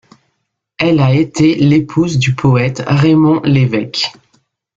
Elle a été l'épouse du poète Raymond Lévesque.